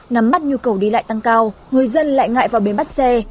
nắm mắt nhu cầu đi lại tăng cao người dân lại ngại vào bến bắt xe